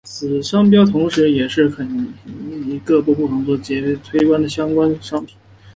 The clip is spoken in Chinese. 此商标同时也是迪士尼首次将各部不同作品的人物集结起来并推出相关的商品。